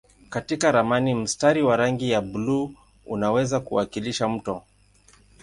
Katika ramani mstari wa rangi ya buluu unaweza kuwakilisha mto.